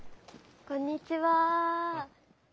こんにちは。